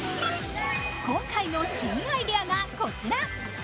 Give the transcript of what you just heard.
今回の新アイデアがこちら。